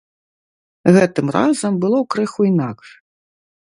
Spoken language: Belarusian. Гэтым разам было крыху інакш.